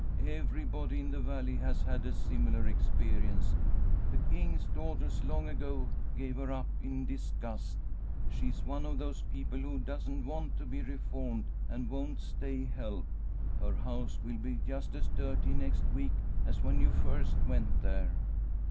Everybody in the Valley has had a similar experience. The King's Daughters long ago gave her up in disgust. She's one of those people who doesn't want to be reformed and won't stay helped. Her house will be just as dirty next week as when you first went there."